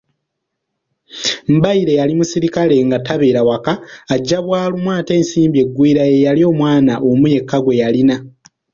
Mbaire yali musirikale nga tabeera waka, ajja bwalumu, ate Nsimbi Egwire yeeyali omwana omu yekka gweyalina.